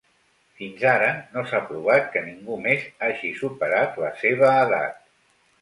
Fins ara, no s’ha provat que ningú més hagi superat la seva edat.